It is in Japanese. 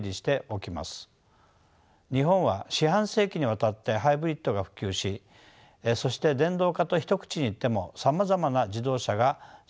日本は四半世紀にわたってハイブリッドが普及しそして電動化と一口に言ってもさまざまな自動車が市販されております。